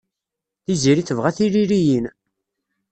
Tiziri tebɣa tiririyin.